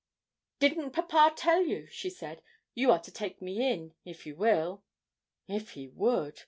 'Didn't papa tell you?' she said; 'you are to take me in if you will?' If he would!